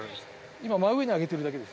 今真上に上げてるだけです。